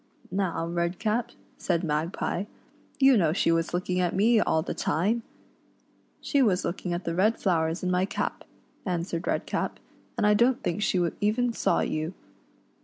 " Now, Redcap," said Magpie, " you know she was looking at me all the time !" "She was looking at the red flowers in my cap," answered Redcap, "and I don't think she even saw n you.